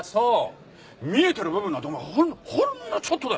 見えてる部分なんてほんのほんのちょっとだよ。